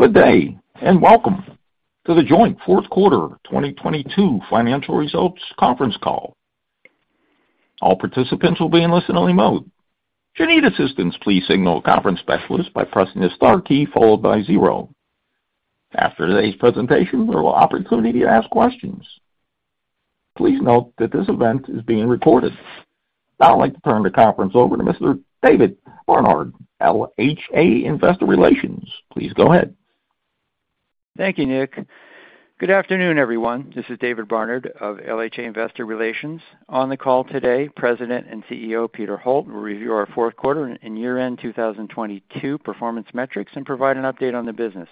Good day. Welcome to The Joint fourth quarter 2022 financial results conference call. All participants will be in listen-only mode. If you need assistance, please signal a conference specialist by pressing the star key followed by zero. After today's presentation, there will opportunity to ask questions. Please note that this event is being recorded. I'd like to turn the conference over to Mr. David Barnard, LHA Investor Relations. Please go ahead. Thank you, Nick. Good afternoon, everyone. This is David Barnard of LHA Investor Relations. On the call today, President and CEO, Peter Holt, will review our fourth quarter and year-end 2022 performance metrics and provide an update on the business.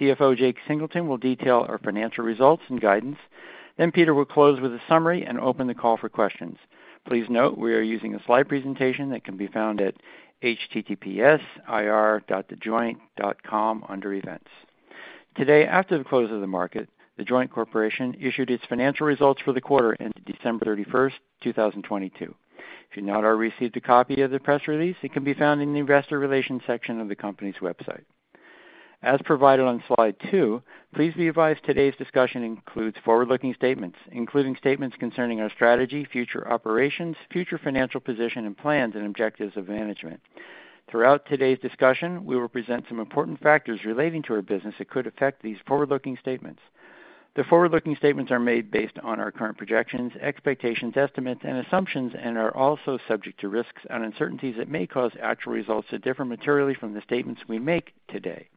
CFO Jake Singleton will detail our financial results and guidance. Peter will close with a summary and open the call for questions. Please note we are using a slide presentation that can be found at https:ir.thejoint.com under Events. Today, after the close of the market, The Joint Corporation issued its financial results for the quarter into December 31st, 2022. If you've not already received a copy of the press release, it can be found in the Investor Relations section of the company's website. As provided on slide two, please be advised today's discussion includes forward-looking statements, including statements concerning our strategy, future operations, future financial position, and plans and objectives of management. Throughout today's discussion, we will present some important factors relating to our business that could affect these forward-looking statements. The forward-looking statements are made based on our current projections, expectations, estimates, and assumptions and are also subject to risks and uncertainties that may cause actual results to differ materially from the statements we make today.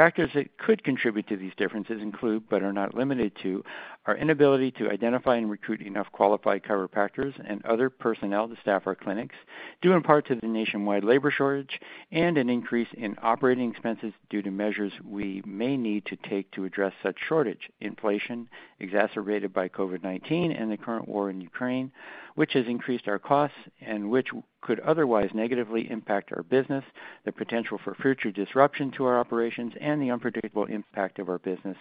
Factors that could contribute to these differences include, but are not limited to, our inability to identify and recruit enough qualified chiropractors and other personnel to staff our clinics, due in part to the nationwide labor shortage and an increase in operating expenses due to measures we may need to take to address such shortage. Inflation exacerbated by COVID-19 and the current war in Ukraine, which has increased our costs and which could otherwise negatively impact our business, the potential for future disruption to our operations and the unpredictable impact of our business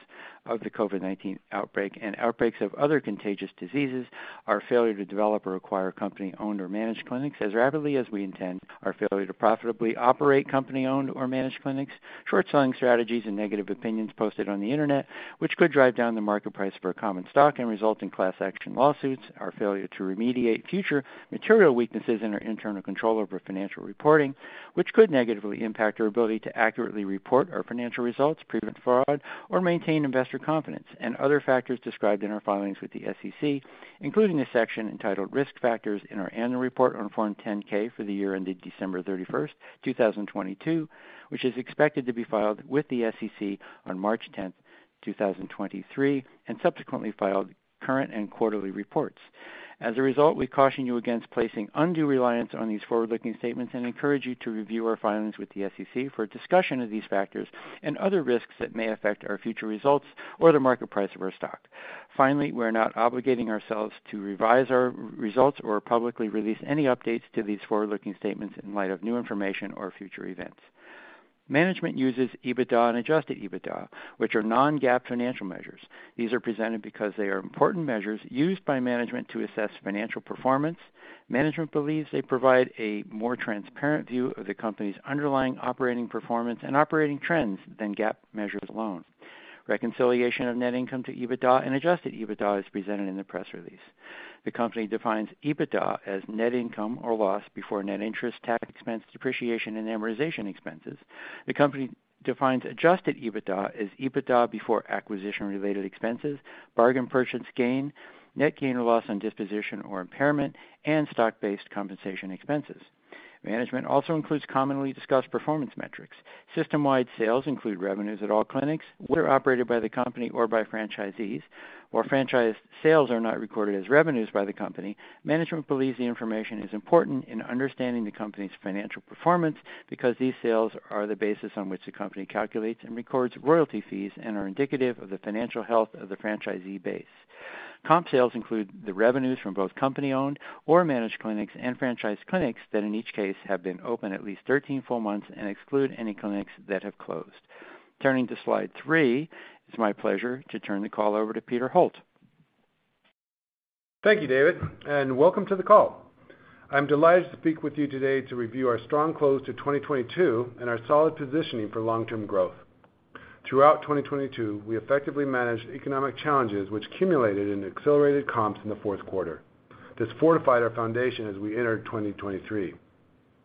of the COVID-19 outbreak and outbreaks of other contagious diseases. Our failure to develop or acquire company-owned or managed clinics as rapidly as we intend. Our failure to profitably operate company-owned or managed clinics. Short selling strategies and negative opinions posted on the Internet, which could drive down the market price for a common stock and result in class action lawsuits. Our failure to remediate future material weaknesses in our internal control over financial reporting, which could negatively impact our ability to accurately report our financial results, prevent fraud, or maintain investor confidence. Other factors described in our filings with the SEC, including a section entitled Risk Factors in our annual report on Form 10-K for the year ended December 31st, 2022, which is expected to be filed with the SEC on March 10th, 2023, and subsequently filed current and quarterly reports. As a result, we caution you against placing undue reliance on these forward-looking statements and encourage you to review our filings with the SEC for a discussion of these factors and other risks that may affect our future results or the market price of our stock. Finally, we're not obligating ourselves to revise our results or publicly release any updates to these forward-looking statements in light of new information or future events. Management uses EBITDA and adjusted EBITDA, which are non-GAAP financial measures. These are presented because they are important measures used by management to assess financial performance. Management believes they provide a more transparent view of the company's underlying operating performance and operating trends than GAAP measures alone. Reconciliation of net income to EBITDA and adjusted EBITDA is presented in the press release. The company defines EBITDA as net income or loss before net interest tax expense, depreciation, and amortization expenses. The company defines adjusted EBITDA as EBITDA before acquisition-related expenses, bargain purchase gain, net gain or loss on disposition or impairment, and stock-based compensation expenses. Management also includes commonly discussed performance metrics. System-wide sales include revenues at all clinics, whether operated by the company or by franchisees, while franchise sales are not recorded as revenues by the company. Management believes the information is important in understanding the company's financial performance because these sales are the basis on which the company calculates and records royalty fees and are indicative of the financial health of the franchisee base. Comp sales include the revenues from both company-owned or managed clinics and franchised clinics that in each case have been open at least 13 full months and exclude any clinics that have closed. Turning to slide three, it's my pleasure to turn the call over to Peter Holt. Thank you, David, and welcome to the call. I'm delighted to speak with you today to review our strong close to 2022 and our solid positioning for long-term growth. Throughout 2022, we effectively managed economic challenges which cumulated in accelerated comps in the fourth quarter. This fortified our foundation as we entered 2023.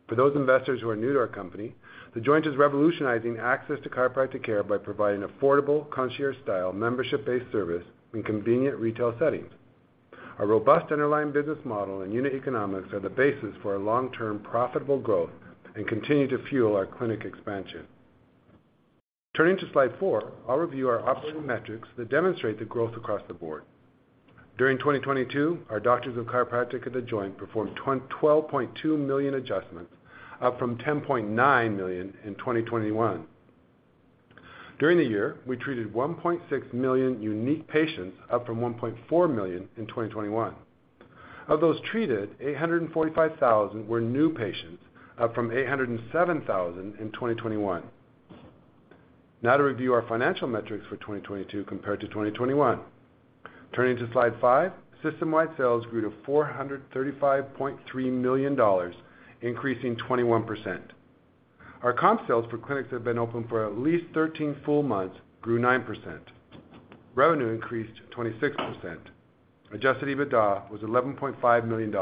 For those investors who are new to our company, The Joint is revolutionizing access to chiropractic care by providing affordable, concierge-style, membership-based service in convenient retail settings. Our robust underlying business model and unit economics are the basis for our long-term profitable growth and continue to fuel our clinic expansion. Turning to slide four, I'll review our operating metrics that demonstrate the growth across the board. During 2022, our doctors of chiropractic at The Joint performed 12.2 million adjustments, up from 10.9 million in 2021. During the year, we treated 1.6 million unique patients, up from 1.4 million in 2021. Of those treated, 845,000 were new patients, up from 807,000 in 2021. Now to review our financial metrics for 2022 compared to 2021. Turning to slide five, system-wide sales grew to $435.3 million, increasing 21%. Our comp sales for clinics have been open for at least 13 full months, grew 9%. Revenue increased 26%. Adjusted EBITDA was $11.5 million.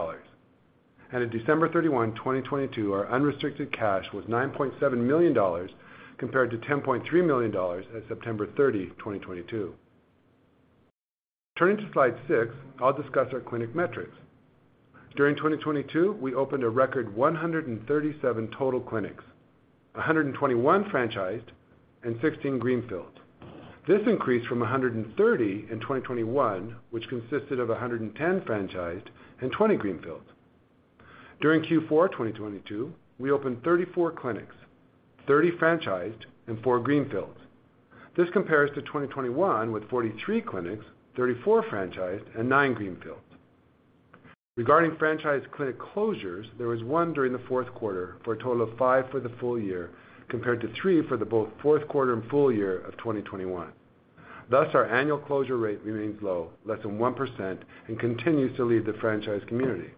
At December 31, 2022, our unrestricted cash was $9.7 million compared to $10.3 million at September 30, 2022. Turning to slide six, I'll discuss our clinic metrics. During 2022, we opened a record 137 total clinics, 121 franchised and 16 greenfields. This increased from 130 in 2021, which consisted of 110 franchised and 20 greenfields. During Q4 2022, we opened 34 clinics, 30 franchised and four greenfields. This compares to 2021 with 43 clinics, 34 franchised and nine greenfields. Regarding franchised clinic closures, there was one during the fourth quarter for a total of five for the full year compared to three for the both fourth quarter and full year of 2021. Our annual closure rate remains low, less than 1%, and continues to lead the franchise community.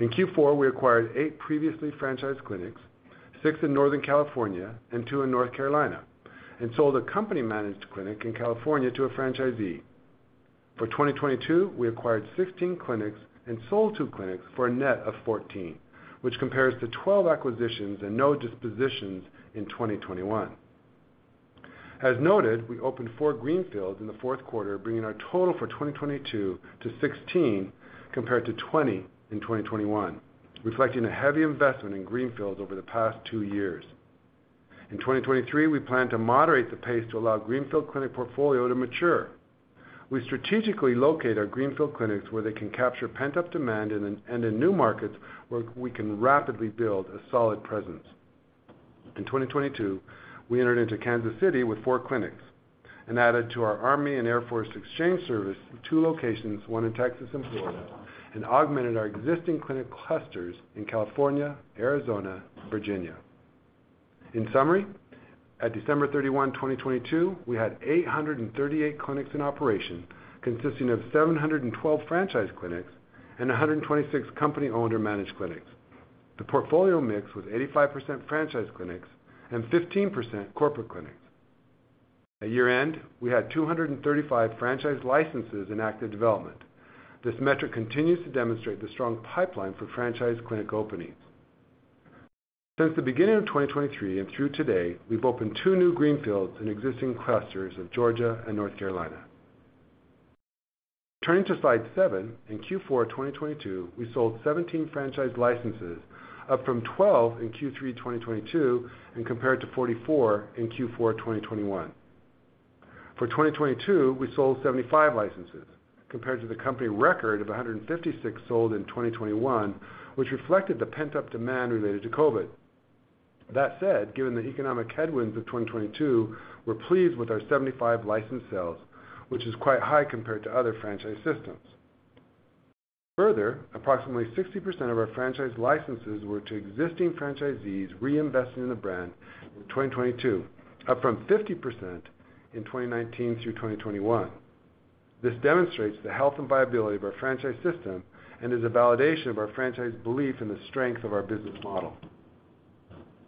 In Q4, we acquired eight previously franchised clinics, six in Northern California and two in North Carolina, and sold a company-managed clinic in California to a franchisee. For 2022, we acquired 16 clinics and sold two clinics for a net of 14, which compares to 12 acquisitions and no dispositions in 2021. As noted, we opened four greenfields in the fourth quarter, bringing our total for 2022 to 16 compared to 20 in 2021, reflecting a heavy investment in greenfields over the past 2 years. In 2023, we plan to moderate the pace to allow greenfield clinic portfolio to mature. We strategically locate our greenfield clinics where they can capture pent-up demand and in new markets where we can rapidly build a solid presence. In 2022, we entered into Kansas City with four clinics and added to our Army & Air Force Exchange Service, two locations, one in Texas and Florida, and augmented our existing clinic clusters in California, Arizona, Virginia. In summary, at December 31, 2022, we had 838 clinics in operation, consisting of 712 franchise clinics and 126 company-owned or managed clinics. The portfolio mix was 85% franchise clinics and 15% corporate clinics. At year-end, we had 235 franchise licenses in active development. This metric continues to demonstrate the strong pipeline for franchise clinic openings. Since the beginning of 2023 and through today, we've opened two new greenfields in existing clusters of Georgia and North Carolina. Turning to slide seven. In Q4 2022, we sold 17 franchise licenses, up from 12 in Q3 2022 and compared to 44 in Q4 2021. For 2022, we sold 75 licenses compared to the company record of 156 sold in 2021, which reflected the pent-up demand related to COVID. That said, given the economic headwinds of 2022, we're pleased with our 75 license sales, which is quite high compared to other franchise systems. Approximately 60% of our franchise licenses were to existing franchisees reinvesting in the brand in 2022, up from 50% in 2019 through 2021. This demonstrates the health and viability of our franchise system and is a validation of our franchise belief in the strength of our business model.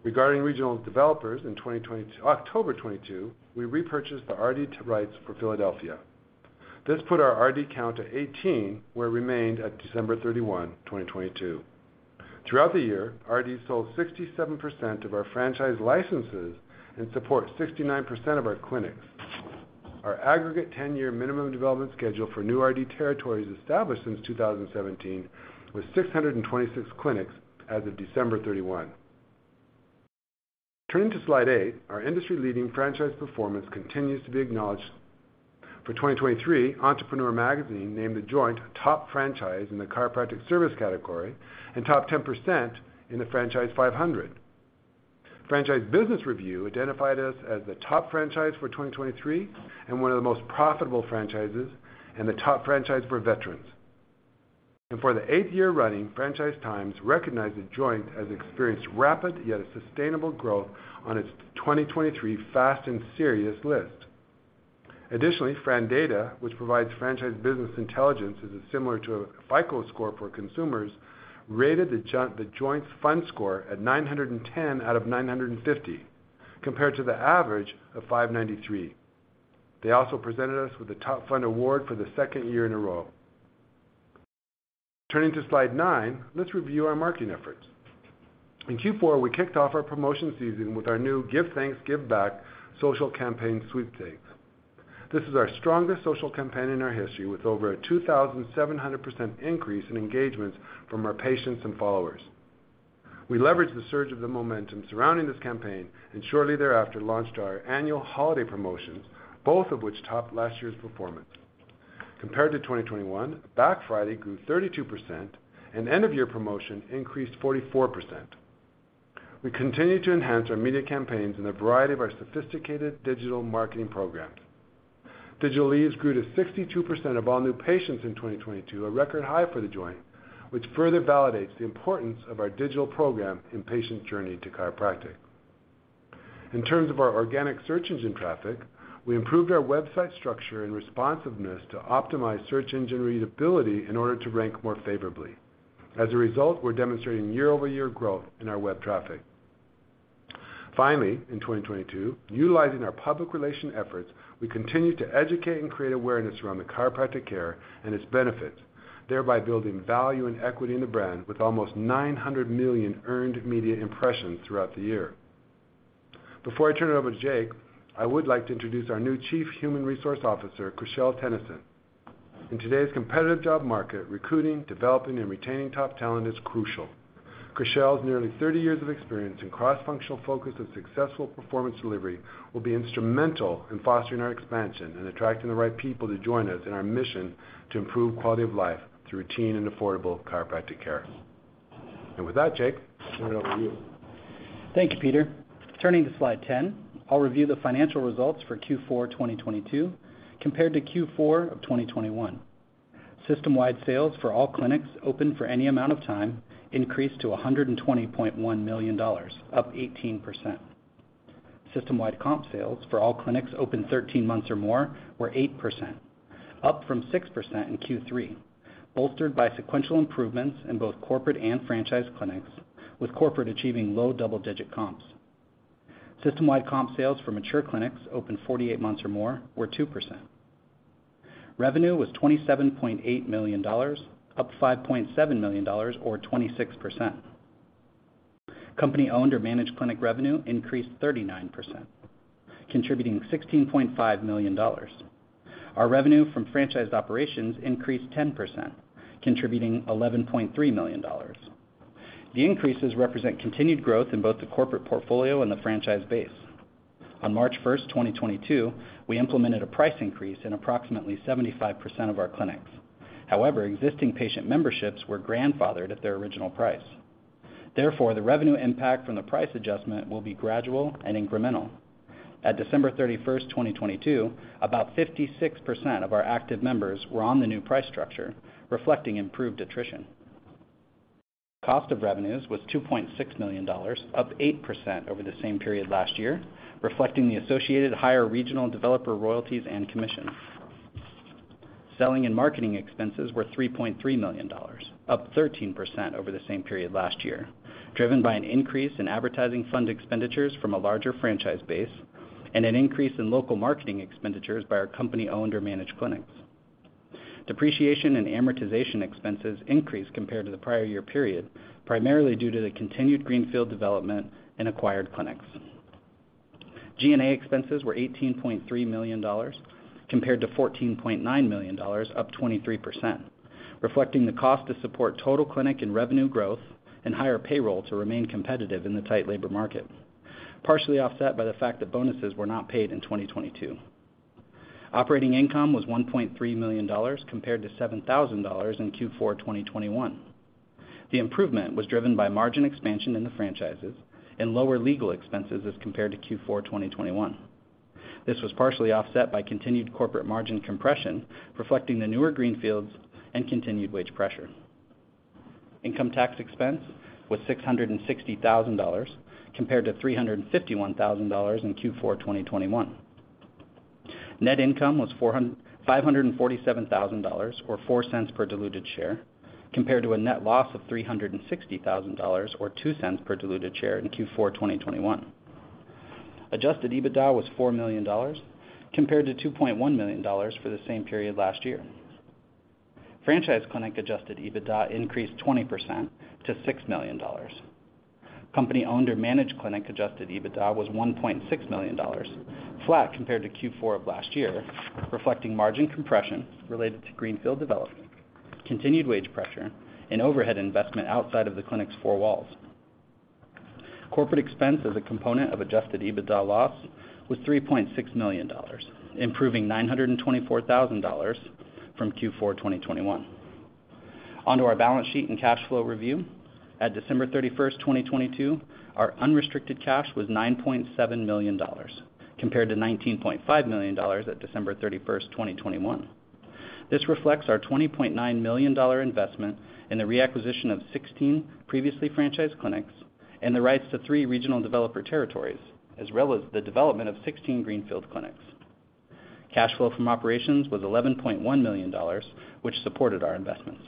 Regarding regional developers, in October 2022, we repurchased the RD rights for Philadelphia. This put our RD count to 18, where it remained at December 31, 2022. Throughout the year, RD sold 67% of our franchise licenses and support 69% of our clinics. Our aggregate 10-year minimum development schedule for new RD territories established since 2017 was 626 clinics as of December 31. Turning to slide eight. Our industry-leading franchise performance continues to be acknowledged. For 2023, Entrepreneur magazine named The Joint top franchise in the chiropractic service category and top 10% in the Franchise 500. Franchise Business Review identified us as the top franchise for 2023 and one of the most profitable franchises and the top franchise for veterans. For the 8th year running, Franchise Times recognized The Joint has experienced rapid, yet a sustainable growth on its 2023 Fast & Serious list. FRANdata, which provides franchise business intelligence, is similar to a FICO score for consumers, rated The Joint's FUND Score at 910 out of 950, compared to the average of 593. They also presented us with the TopScore FUND Award for the 2nd year in a row. Turning to slide nine, let's review our marketing efforts. In Q4, we kicked off our promotion season with our new Give Thanks, Give Back social campaign sweepstakes. This is our strongest social campaign in our history, with over a 2,700% increase in engagements from our patients and followers. We leveraged the surge of the momentum surrounding this campaign and shortly thereafter launched our annual holiday promotions, both of which topped last year's performance. Compared to 2021, Back Friday grew 32% and end-of-year promotion increased 44%. We continue to enhance our media campaigns in a variety of our sophisticated digital marketing programs. Digital leads grew to 62% of all new patients in 2022, a record high for The Joint, which further validates the importance of our digital program in patients' journey to chiropractic. In terms of our organic search engine traffic, we improved our website structure and responsiveness to optimize search engine readability in order to rank more favorably. As a result, we're demonstrating year-over-year growth in our web traffic. In 2022, utilizing our public relation efforts, we continued to educate and create awareness around the chiropractic care and its benefits, thereby building value and equity in the brand with almost 900 million earned media impressions throughout the year. Before I turn it over to Jake, I would like to introduce our new Chief Human Resource Officer, Krischelle Tennessen. In today's competitive job market, recruiting, developing, and retaining top talent is crucial. Krischelle's nearly 30 years of experience and cross-functional focus of successful performance delivery will be instrumental in fostering our expansion and attracting the right people to join us in our mission to improve quality of life through routine and affordable chiropractic care. With that, Jake, turn it over to you. Thank you, Peter. Turning to slide 10, I'll review the financial results for Q4 2022 compared to Q4 of 2021. System-wide sales for all clinics open for any amount of time increased to $120.1 million, up 18%. System-wide comp sales for all clinics open 13 months or more were 8%, up from 6% in Q3, bolstered by sequential improvements in both corporate and franchise clinics, with corporate achieving low double-digit comps. System-wide comp sales for mature clinics open 48 months or more were 2%. Revenue was $27.8 million, up $5.7 million or 26%. Company-owned or managed clinic revenue increased 39%, contributing $16.5 million. Our revenue from franchised operations increased 10%, contributing $11.3 million. The increases represent continued growth in both the corporate portfolio and the franchise base. On March 1st, 2022, we implemented a price increase in approximately 75% of our clinics. However, existing patient memberships were grandfathered at their original price. Therefore, the revenue impact from the price adjustment will be gradual and incremental. At December 31st, 2022, about 56% of our active members were on the new price structure, reflecting improved attrition. Cost of revenues was $2.6 million, up 8% over the same period last year, reflecting the associated higher regional developer royalties and commissions. Selling and marketing expenses were $3.3 million, up 13% over the same period last year, driven by an increase in advertising fund expenditures from a larger franchise base and an increase in local marketing expenditures by our company-owned or managed clinics. Depreciation and amortization expenses increased compared to the prior year period, primarily due to the continued greenfield development in acquired clinics. G&A expenses were $18.3 million compared to $14.9 million, up 23%, reflecting the cost to support total clinic and revenue growth and higher payroll to remain competitive in the tight labor market, partially offset by the fact that bonuses were not paid in 2022. Operating income was $1.3 million compared to $7,000 in Q4 2021. The improvement was driven by margin expansion in the franchises and lower legal expenses as compared to Q4 2021. This was partially offset by continued corporate margin compression reflecting the newer greenfields and continued wage pressure. Income tax expense was $660,000 compared to $351,000 in Q4 2021. Net income was $547,000, or $0.04 per diluted share, compared to a net loss of $360,000, or $0.02 per diluted share in Q4 2021. Adjusted EBITDA was $4 million compared to $2.1 million for the same period last year. Franchise clinic adjusted EBITDA increased 20% to $6 million. Company-owned or managed clinic adjusted EBITDA was $1.6 million, flat compared to Q4 of last year, reflecting margin compression related to greenfield development, continued wage pressure, and overhead investment outside of the clinic's four walls. Corporate expense as a component of adjusted EBITDA loss was $3.6 million, improving $924,000 from Q4 2021. Our balance sheet and cash flow review. At December 31st, 2022, our unrestricted cash was $9.7 million compared to $19.5 million at December 31st, 2021. This reflects our $20.9 million investment in the reacquisition of 16 previously franchised clinics and the rights to three regional developer territories, as well as the development of 16 greenfield clinics. Cash flow from operations was $11.1 million, which supported our investments.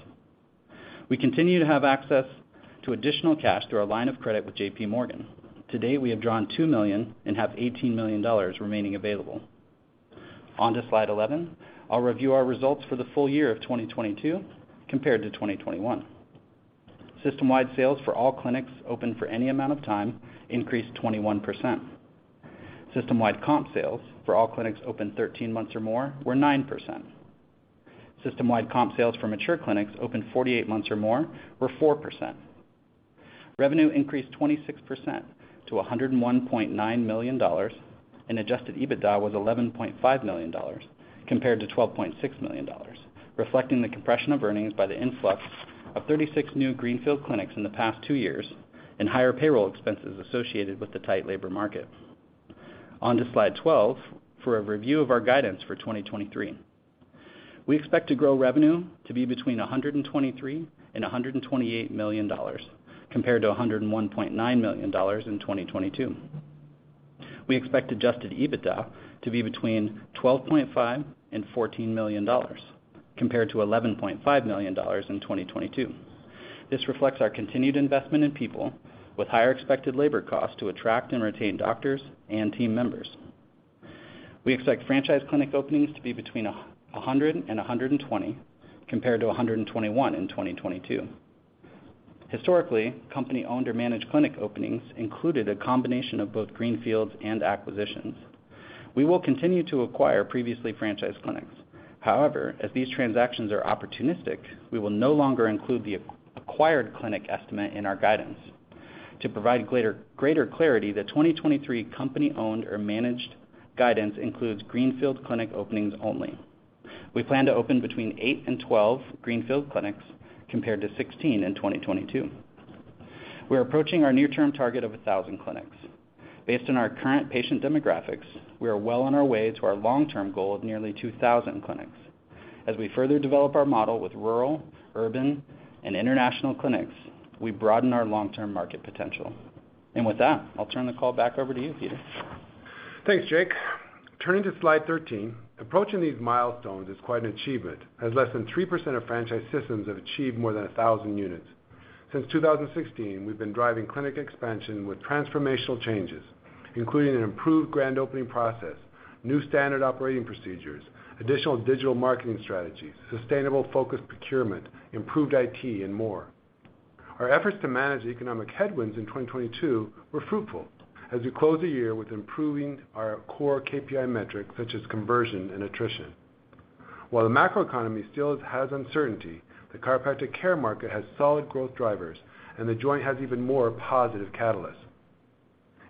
We continue to have access to additional cash through our line of credit with JPMorgan. To date, we have drawn $2 million and have $18 million remaining available. On to slide 11, I'll review our results for the full year of 2022 compared to 2021. system-wide sales for all clinics open for any amount of time increased 21%. System-wide comp sales for all clinics open 13 months or more were 9%. System-wide comp sales for mature clinics open 48 months or more were 4%. Revenue increased 26% to $101.9 million and adjusted EBITDA was $11.5 million compared to $12.6 million, reflecting the compression of earnings by the influx of 36 new greenfield clinics in the past 2 years and higher payroll expenses associated with the tight labor market. On to slide 12 for a review of our guidance for 2023. We expect to grow revenue to be between $123 million and $128 million, compared to $101.9 million in 2022. We expect adjusted EBITDA to be between $12.5 million and $14 million, compared to $11.5 million in 2022. This reflects our continued investment in people with higher expected labor costs to attract and retain doctors and team members. We expect franchise clinic openings to be between 100 and 120, compared to 121 in 2022. Historically, company-owned or managed clinic openings included a combination of both greenfields and acquisitions. We will continue to acquire previously franchised clinics. However, as these transactions are opportunistic, we will no longer include the acquired clinic estimate in our guidance. To provide greater clarity, the 2023 company-owned or managed guidance includes greenfield clinic openings only. We plan to open between eight and 12 greenfield clinics, compared to 16 in 2022. We're approaching our near-term target of 1,000 clinics. Based on our current patient demographics, we are well on our way to our long-term goal of nearly 2,000 clinics. As we further develop our model with rural, urban, and international clinics, we broaden our long-term market potential. With that, I'll turn the call back over to you, Peter. Thanks, Jake. Turning to slide 13, approaching these milestones is quite an achievement, as less than 3% of franchise systems have achieved more than 1,000 units. Since 2016, we've been driving clinic expansion with transformational changes, including an improved grand opening process, new standard operating procedures, additional digital marketing strategies, sustainable focused procurement, improved IT, and more. Our efforts to manage economic headwinds in 2022 were fruitful as we close the year with improving our core KPI metrics such as conversion and attrition. While the macroeconomy still has uncertainty, the chiropractic care market has solid growth drivers, and The Joint has even more positive catalysts.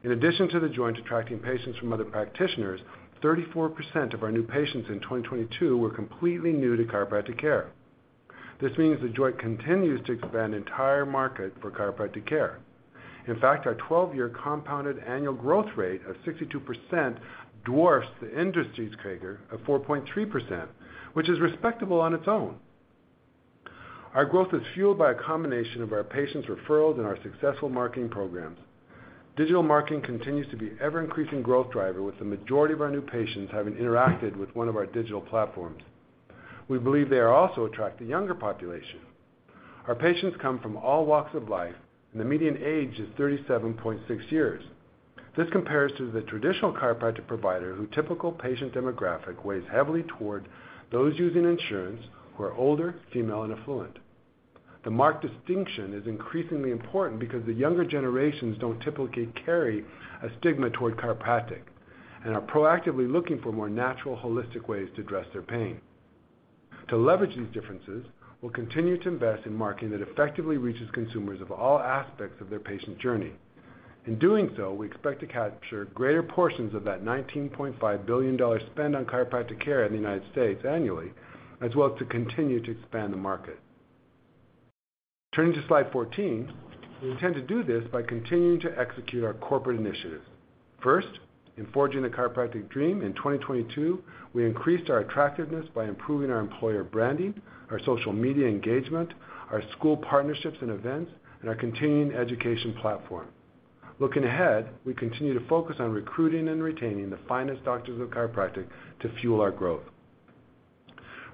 In addition to The Joint attracting patients from other practitioners, 34% of our new patients in 2022 were completely new to chiropractic care. This means The Joint continues to expand entire market for chiropractic care. Our 12-year compounded annual growth rate of 62% dwarfs the industry's CAGR of 4.3%, which is respectable on its own. Our growth is fueled by a combination of our patients' referrals and our successful marketing programs. Digital marketing continues to be ever-increasing growth driver, with the majority of our new patients having interacted with one of our digital platforms. We believe they are also attracting younger population. Our patients come from all walks of life, and the median age is 37.6 years. This compares to the traditional chiropractic provider, who typical patient demographic weighs heavily toward those using insurance, who are older, female, and affluent. The marked distinction is increasingly important because the younger generations don't typically carry a stigma toward chiropractic and are proactively looking for more natural, holistic ways to address their pain. To leverage these differences, we'll continue to invest in marketing that effectively reaches consumers of all aspects of their patient journey. In doing so, we expect to capture greater portions of that $19.5 billion spend on chiropractic care in the United States annually, as well as to continue to expand the market. Turning to slide 14, we intend to do this by continuing to execute our corporate initiatives. First, in forging the chiropractic dream in 2022, we increased our attractiveness by improving our employer branding, our social media engagement, our school partnerships and events, and our continuing education platform. Looking ahead, we continue to focus on recruiting and retaining the finest doctors of chiropractic to fuel our growth.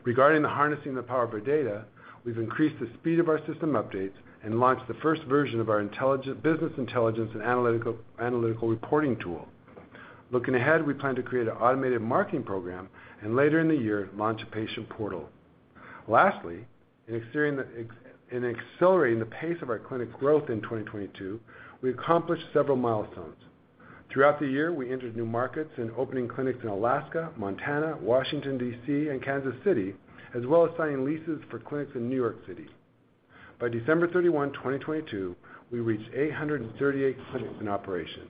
Regarding the harnessing the power of our data, we've increased the speed of our system updates and launched the first version of our intelligent... Business intelligence and analytical reporting tool. Looking ahead, we plan to create an automated marketing program and later in the year, launch a patient portal. Lastly, in accelerating the pace of our clinic growth in 2022, we accomplished several milestones. Throughout the year, we entered new markets in opening clinics in Alaska, Montana, Washington, D.C., and Kansas City, as well as signing leases for clinics in New York City. By December 31, 2022, we reached 838 clinics in operation.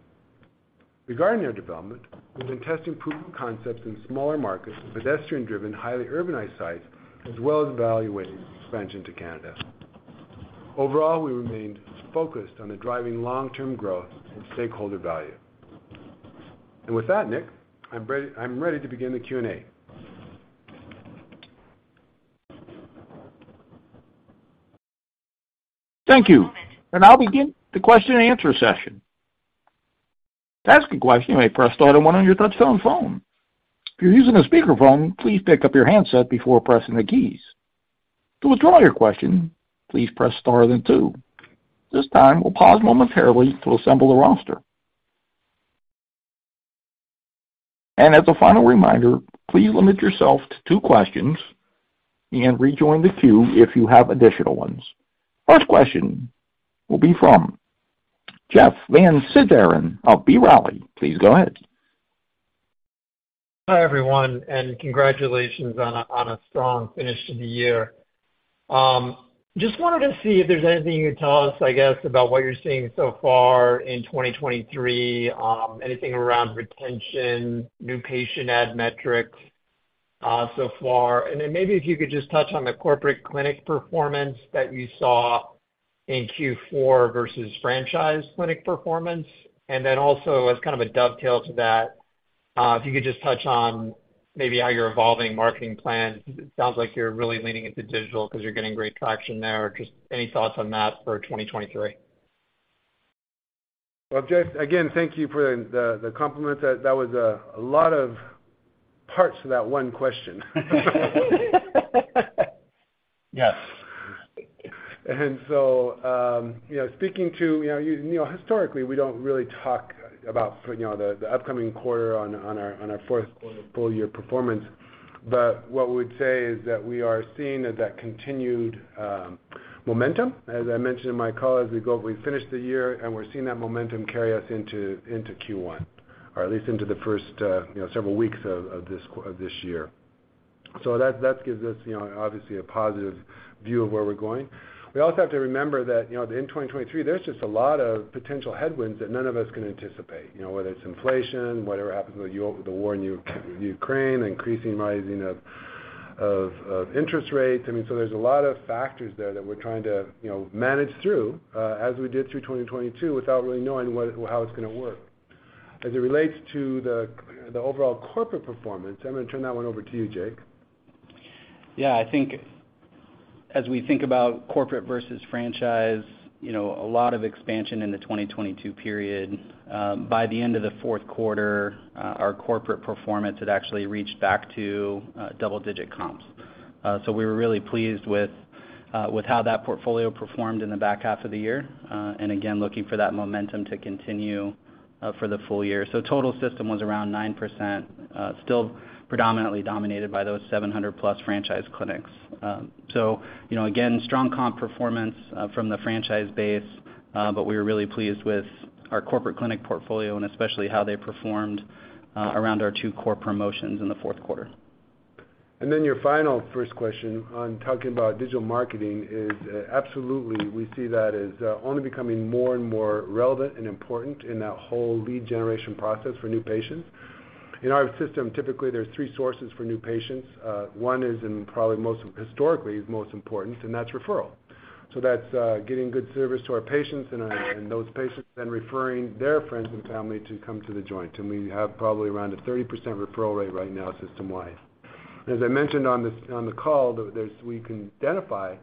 Regarding their development, we've been testing proof of concepts in smaller markets with pedestrian-driven, highly urbanized sites, as well as evaluating expansion to Canada. Overall, we remained focused on the driving long-term growth and stakeholder value. With that, Nick, I'm ready to begin the Q&A. Thank you. I'll begin the question and answer session. To ask a question, you may press star then one on your touchtone phone. If you're using a speakerphone, please pick up your handset before pressing the keys. To withdraw your question, please press star then two. At this time, we'll pause momentarily to assemble the roster. As a final reminder, please limit yourself to two questions and rejoin the queue if you have additional ones. First question will be from Jeff Van Sinderen of B. Riley. Please go ahead. Hi, everyone, and congratulations on a strong finish to the year. Just wanted to see if there's anything you could tell us, I guess, about what you're seeing so far in 2023, anything around retention, new patient ad metrics, so far. Maybe if you could just touch on the corporate clinic performance that you saw in Q4 versus franchise clinic performance. Also as kind of a dovetail to that, if you could just touch on maybe how you're evolving marketing plans. It sounds like you're really leaning into digital because you're getting great traction there, or just any thoughts on that for 2023? Well, Jeff, again, thank you for the compliment. That was a lot of parts to that one question. Yes. Speaking to, you know, historically, we don't really talk about, you know, the upcoming quarter on our fourth quarter full year performance. What we would say is that we are seeing that continued momentum, as I mentioned in my call, as we finish the year, and we're seeing that momentum carry us into Q1, or at least into the first, you know, several weeks of this year. That gives us, you know, obviously a positive view of where we're going. We also have to remember that, you know, in 2023, there's just a lot of potential headwinds that none of us can anticipate, you know, whether it's inflation, whatever happens with the war in Ukraine, increasing rising of interest rates. I mean, there's a lot of factors there that we're trying to, you know, manage through, as we did through 2022 without really knowing how it's gonna work. As it relates to the overall corporate performance, I'm gonna turn that one over to you, Jake. Yeah. I think as we think about corporate versus franchise, you know, a lot of expansion in the 2022 period. By the end of the fourth quarter, our corporate performance had actually reached back to double-digit comps. We were really pleased with how that portfolio performed in the back half of the year, and again, looking for that momentum to continue for the full year. Total system was around 9%, still predominantly dominated by those 700+ franchise clinics. You know, again, strong comp performance from the franchise base, but we were really pleased with our corporate clinic portfolio and especially how they performed around our two core promotions in the fourth quarter. Then your final first question on talking about digital marketing is, absolutely, we see that as only becoming more and more relevant and important in that whole lead generation process for new patients. In our system, typically, there's three sources for new patients. One is in probably historically is most important, and that's referral. That's getting good service to our patients and those patients then referring their friends and family to come to The Joint. We have probably around a 30% referral rate right now system-wide. As I mentioned on the call, we can identify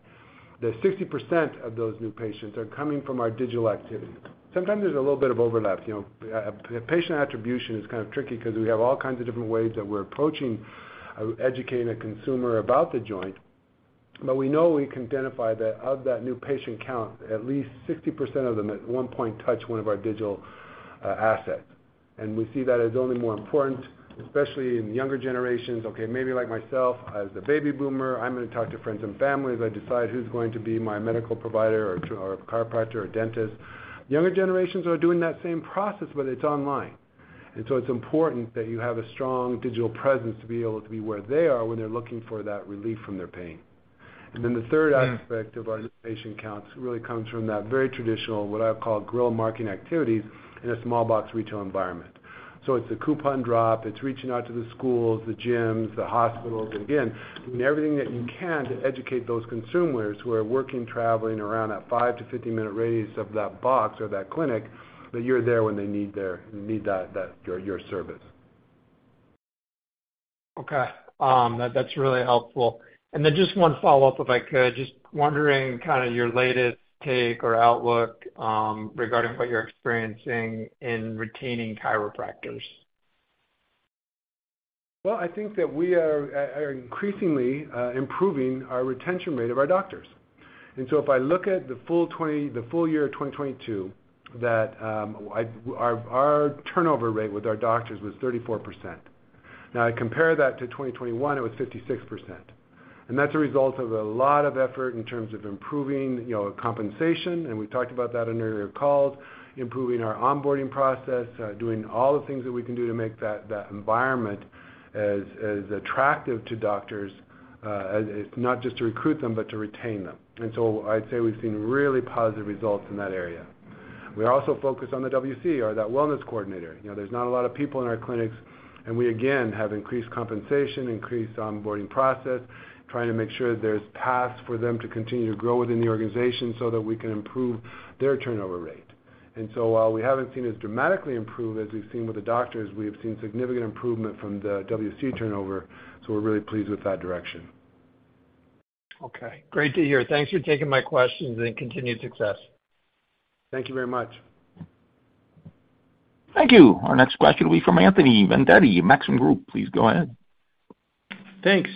that 60% of those new patients are coming from our digital activities. Sometimes there's a little bit of overlap, you know. Patient attribution is kind of tricky because we have all kinds of different ways that we're approaching educating a consumer about The Joint. We know we can identify that of that new patient count, at least 60% of them at one point touch one of our digital assets. We see that as only more important, especially in younger generations. Maybe like myself as a baby boomer, I'm gonna talk to friends and family as I decide who's going to be my medical provider or chiropractor or dentist. Younger generations are doing that same process, but it's online. It's important that you have a strong digital presence to be able to be where they are when they're looking for that relief from their pain. The third aspect of our new patient counts really comes from that very traditional, what I call guerrilla marketing activities in a small box retail environment. It's a coupon drop. It's reaching out to the schools, the gyms, the hospitals. Again, doing everything that you can to educate those consumers who are working, traveling around that 5-15 minute radius of that box or that clinic, that you're there when they need that your service. Okay. That's really helpful. Just one follow-up, if I could. Just wondering kinda your latest take or outlook regarding what you're experiencing in retaining chiropractors? Well, I think that we are increasingly improving our retention rate of our doctors. If I look at the full year of 2022, that our turnover rate with our doctors was 34%. I compare that to 2021, it was 56%. That's a result of a lot of effort in terms of improving, you know, compensation, and we've talked about that in earlier calls, improving our onboarding process, doing all the things that we can do to make that environment as attractive to doctors as it's not just to recruit them, but to retain them. I'd say we've seen really positive results in that area. We also focus on the WC or that wellness coordinator. You know, there's not a lot of people in our clinics, and we again, have increased compensation, increased onboarding process, trying to make sure there's paths for them to continue to grow within the organization so that we can improve their turnover rate. While we haven't seen as dramatically improve as we've seen with the doctors, we have seen significant improvement from the WC turnover, so we're really pleased with that direction. Okay. Great to hear. Thanks for taking my questions and continued success. Thank you very much. Thank you. Our next question will be from Anthony Vendetti, Maxim Group. Please go ahead. Thanks.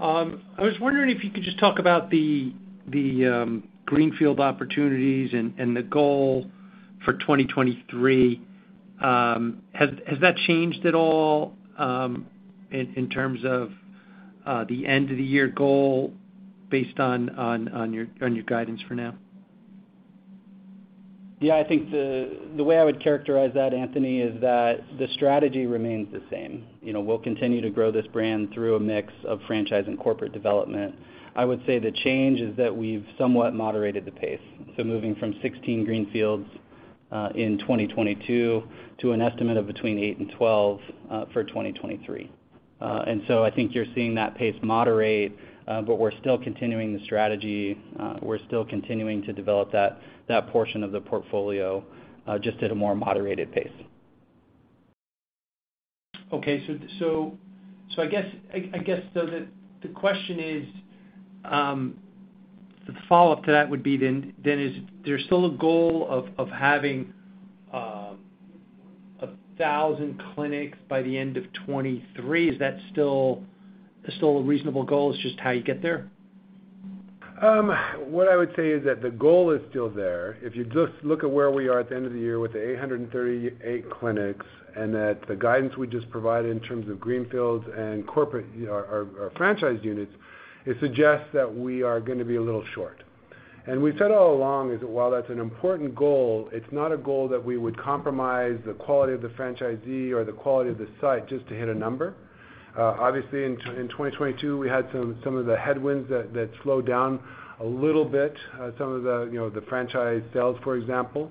I was wondering if you could just talk about the greenfield opportunities and the goal for 2023. Has that changed at all, in terms of the end of the year goal based on your guidance for now? Yeah. I think the way I would characterize that, Anthony, is that the strategy remains the same. You know, we'll continue to grow this brand through a mix of franchise and corporate development. I would say the change is that we've somewhat moderated the pace. Moving from 16 greenfields in 2022 to an estimate of between eight and 12 for 2023. I think you're seeing that pace moderate, but we're still continuing the strategy. We're still continuing to develop that portion of the portfolio, just at a more moderated pace. Okay. I guess the question is, the follow-up to that would be then, is there still a goal of having 1,000 clinics by the end of 2023? Is that still a reasonable goal, it's just how you get there? What I would say is that the goal is still there. If you just look at where we are at the end of the year with the 838 clinics, and that the guidance we just provided in terms of greenfields and corporate, our franchise units, it suggests that we are gonna be a little short. We said all along is while that's an important goal, it's not a goal that we would compromise the quality of the franchisee or the quality of the site just to hit a number. Obviously, in 2022, we had some of the headwinds that slowed down a little bit, some of the, you know, the franchise sales, for example.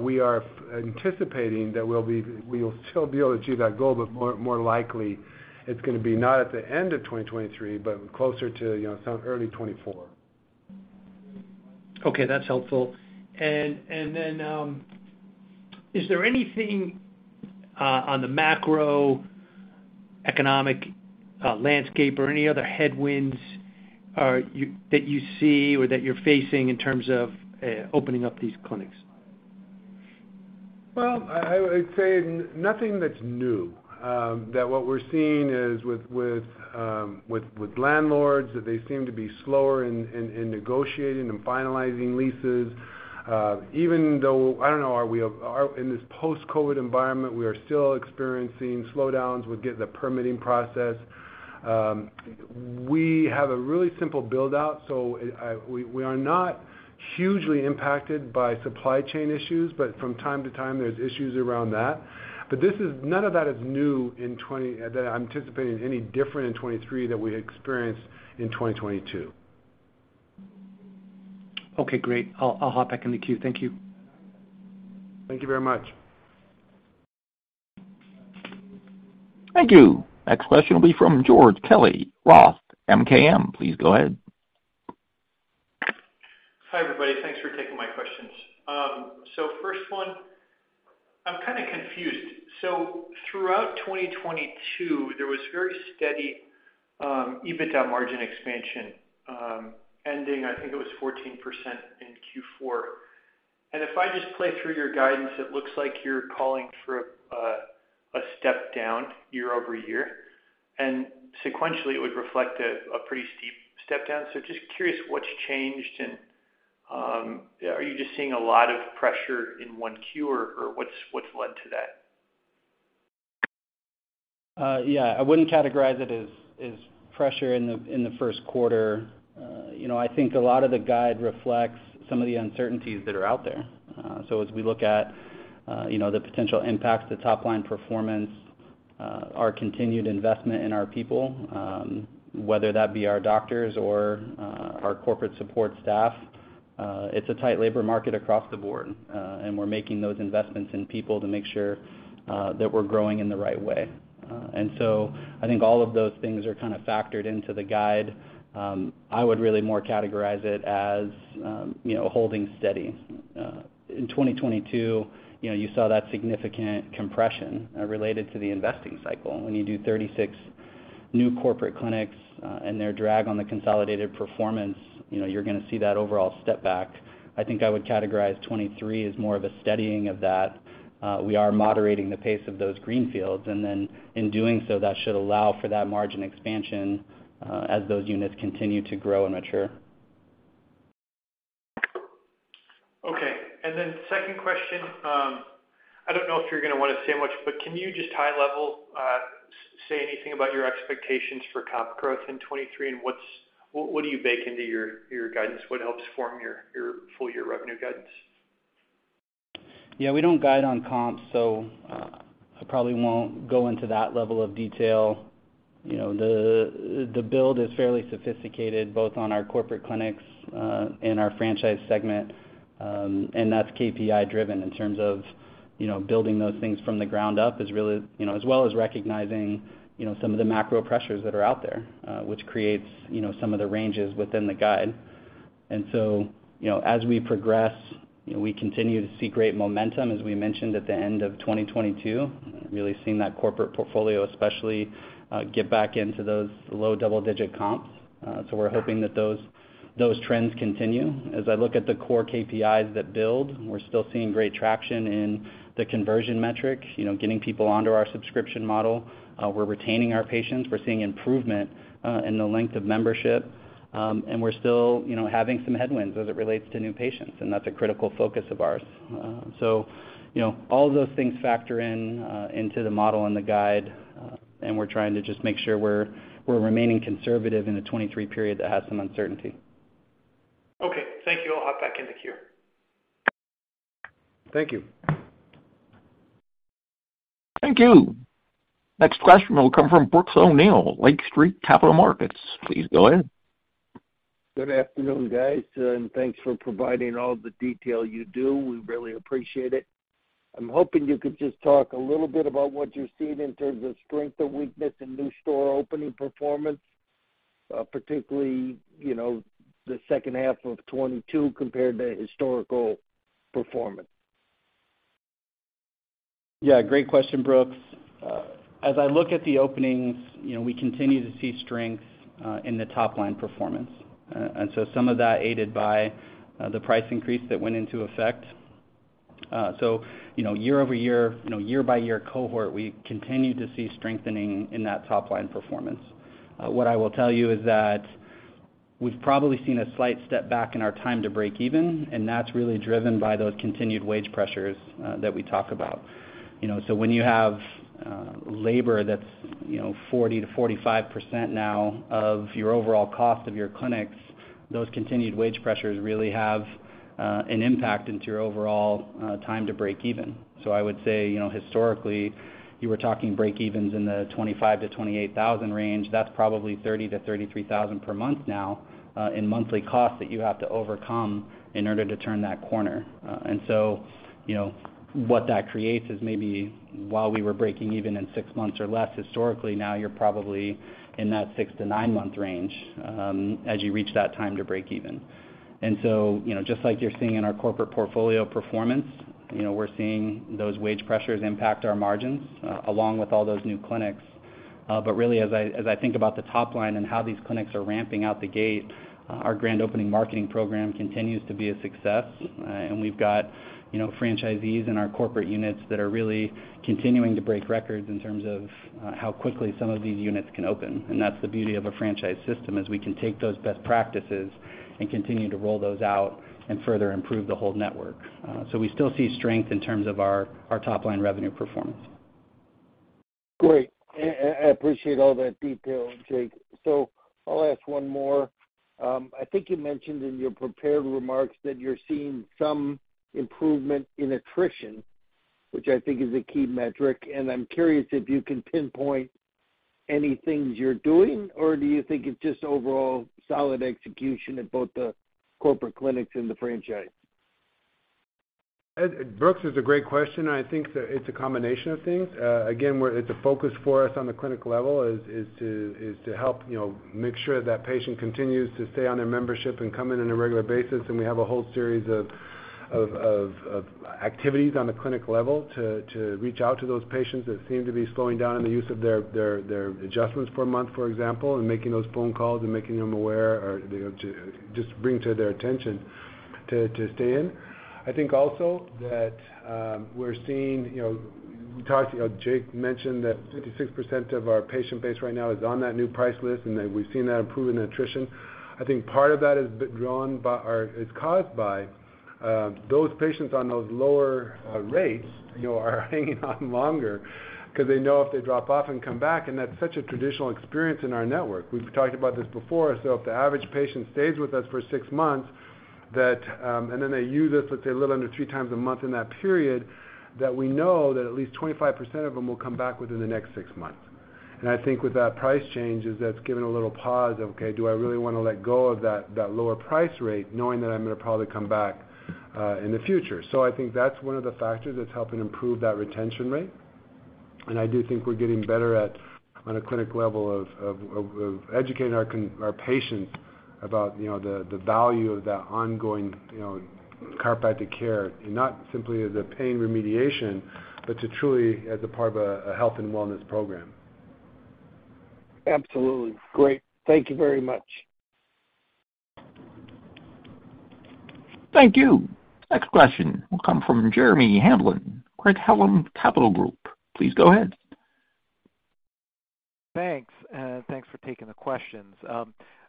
We are anticipating that we will still be able to achieve that goal, but more, more likely it's gonna be not at the end of 2023, but closer to, you know, some early 2024. Okay, that's helpful. Is there anything on the macroeconomic landscape or any other headwinds that you see or that you're facing in terms of opening up these clinics? Well, I would say nothing that's new. That what we're seeing is with landlords, that they seem to be slower in negotiating and finalizing leases. Even though I don't know, are we in this post-COVID environment, we are still experiencing slowdowns with the permitting process. We have a really simple build-out, so we are not hugely impacted by supply chain issues, but from time to time, there's issues around that. None of that is new that I'm anticipating any different in 2023 that we experienced in 2022. Okay, great. I'll hop back in the queue. Thank you. Thank you very much. Thank you. Next question will be from George Kelly, Roth MKM. Please go ahead. Hi, everybody. Thanks for taking my questions. First one, I'm kinda confused. Throughout 2022, there was very steady EBITDA margin expansion, ending, I think it was 14% in Q4. If I just play through your guidance, it looks like you're calling for a step down year-over-year, and sequentially it would reflect a pretty steep step down. Just curious, what's changed and, are you just seeing a lot of pressure in 1Q or what's led to that? Yeah. I wouldn't categorize it as pressure in the first quarter. You know, I think a lot of the guide reflects some of the uncertainties that are out there. As we look at, you know, the potential impacts to top line performance, our continued investment in our people, whether that be our doctors or our corporate support staff, it's a tight labor market across the board. We're making those investments in people to make sure that we're growing in the right way. I think all of those things are kind of factored into the guide. I would really more categorize it as, you know, holding steady. In 2022, you know, you saw that significant compression related to the investing cycle. When you do 36 new corporate clinics, and their drag on the consolidated performance, you know, you're gonna see that overall step back. I think I would categorize 2023 as more of a steadying of that. We are moderating the pace of those greenfields, and then in doing so, that should allow for that margin expansion, as those units continue to grow and mature. Okay. Second question. I don't know if you're gonna wanna say much, but can you just high level, say anything about your expectations for comp growth in 2023 and what do you bake into your guidance? What helps form your full year revenue guidance? We don't guide on comps, so I probably won't go into that level of detail. The build is fairly sophisticated both on our corporate clinics and our franchise segment, and that's KPI driven in terms of, you know, building those things from the ground up is really, you know, as well as recognizing, you know, some of the macro pressures that are out there, which creates, you know, some of the ranges within the guide. You know, as we progress, you know, we continue to see great momentum as we mentioned at the end of 2022. Really seeing that corporate portfolio especially get back into those low double-digit comps. So we're hoping that those trends continue. As I look at the core KPIs that build, we're still seeing great traction in the conversion metric, you know, getting people onto our subscription model. We're retaining our patients. We're seeing improvement in the length of membership. We're still, you know, having some headwinds as it relates to new patients, and that's a critical focus of ours. You know, all of those things factor in into the model and the guide, and we're trying to just make sure we're remaining conservative in the 2023 period that has some uncertainty. Okay. Thank you. I'll hop back in the queue. Thank you. Thank you. Next question will come from Brooks O'Neil, Lake Street Capital Markets. Please go ahead. Good afternoon, guys. Thanks for providing all the detail you do. We really appreciate it. I'm hoping you could just talk a little bit about what you're seeing in terms of strength or weakness in new store opening performance, particularly, you know, the second half of 2022 compared to historical performance. Yeah. Great question, Brooks. As I look at the openings, you know, we continue to see strength in the top line performance. Some of that aided by the price increase that went into effect. You know, year over year, you know, year-by-year cohort, we continue to see strengthening in that top line performance. What I will tell you is that we've probably seen a slight step back in our time to breakeven, and that's really driven by those continued wage pressures that we talk about. You know, when you have labor that's, you know, 40%-45% now of your overall cost of your clinics, those continued wage pressures really have an impact into your overall time to breakeven. I would say, you know, historically, you were talking breakevens in the $25,000-$28,000 range. That's probably $30,000-$33,000 per month now, in monthly costs that you have to overcome in order to turn that corner. What that creates is maybe while we were breaking even in 6 months or less historically, now you're probably in that 6-9 month range, as you reach that time to breakeven. Just like you're seeing in our corporate portfolio performance, you know, we're seeing those wage pressures impact our margins, along with all those new clinics. Really, as I think about the top line and how these clinics are ramping out the gate, our grand opening marketing program continues to be a success. We've got, you know, franchisees in our corporate units that are really continuing to break records in terms of how quickly some of these units can open. That's the beauty of a franchise system, is we can take those best practices and continue to roll those out and further improve the whole network. We still see strength in terms of our top line revenue performance. Great. I appreciate all that detail, Jake. I'll ask one more. I think you mentioned in your prepared remarks that you're seeing some improvement in attrition, which I think is a key metric, and I'm curious if you can pinpoint any things you're doing, or do you think it's just overall solid execution at both the corporate clinics and the franchise? Brooks, it's a great question. I think that it's a combination of things. Again, it's a focus for us on the clinic level, is to help, you know, make sure that patient continues to stay on their membership and come in on a regular basis. We have a whole series of activities on the clinic level to reach out to those patients that seem to be slowing down in the use of their adjustments for a month, for example, and making those phone calls and making them aware or, you know, to just bring to their attention to stay in. I think also that we're seeing, you know, we talked, you know, Jake mentioned that 56% of our patient base right now is on that new price list, and that we've seen that improve in attrition. I think part of that is drawn by or is caused by those patients on those lower rates, you know, are hanging on longer 'cause they know if they drop off and come back, and that's such a traditional experience in our network. We've talked about this before. If the average patient stays with us for 6 months, that, and then they use us, let's say, a little under 3x a month in that period, that we know that at least 25% of them will come back within the next 6 months. I think with that price change is that it's given a little pause of, "Okay, do I really wanna let go of that lower price rate knowing that I'm gonna probably come back in the future?" I think that's one of the factors that's helping improve that retention rate. I do think we're getting better at, on a clinic level of educating our patients about, you know, the value of that ongoing, you know, chiropractic care, and not simply as a pain remediation, but to truly as a part of a health and wellness program. Absolutely. Great. Thank you very much. Thank you. Next question will come from Jeremy Hamblin, Craig-Hallum Capital Group. Please go ahead. Thanks. Thanks for taking the questions.